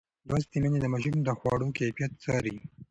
لوستې میندې د ماشوم د خواړو کیفیت څاري.